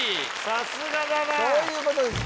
・さすがだなそういうことです